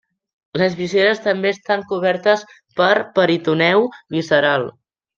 Les vísceres també estan cobertes per peritoneu visceral.